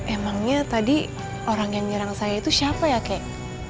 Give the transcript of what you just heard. emangnya tadi orang yang nyerang saya itu siapa ya kek